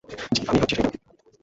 জ্বি, আমিই হচ্ছি সেইজন!